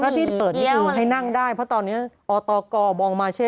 แล้วที่เปิดนี่คือให้นั่งได้เพราะตอนนี้อตกบองมาเช่